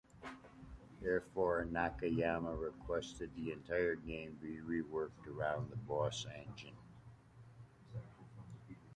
Therefore, Nakayama requested the entire game be reworked around the boss engine.